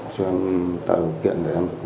cho em tạo điều kiện để em sớm về